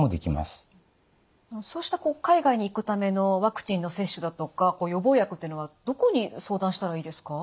そうした海外に行くためのワクチンの接種だとか予防薬というのはどこに相談したらいいですか？